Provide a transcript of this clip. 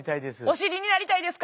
お知りになりたいですか？